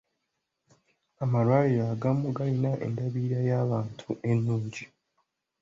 Amalwaliro agamu galina endabirira y'abantu ennungi.